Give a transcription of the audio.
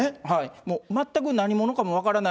もう全く何者かも分からない